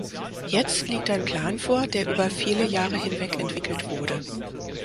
Jetzt liegt ein Plan vor, der über viele Jahre hinweg entwickelt wurde.